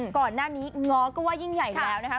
ก่อนหน้านี้ง้อก็ว่ายิ่งใหญ่แล้วนะคะ